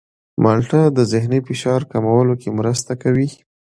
مالټه د ذهني فشار کمولو کې مرسته کوي.